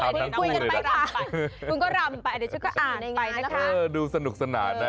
ทำหน้ากู้เลยค่ะพุ่งก็รำไปเดี๋ยวก็อ่านไปนะคะเออดูสนุกสนานว้าย